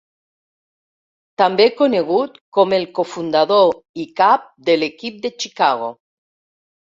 També conegut com el cofundador i cap de l'equip de Chicago.